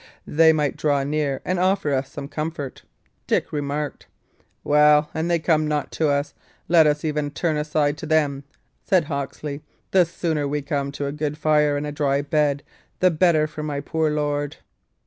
"They might draw near and offer us some comfort," Dick remarked. "Well, an' they come not to us, let us even turn aside to them," said Hawksley. "The sooner we come to a good fire and a dry bed the better for my poor lord."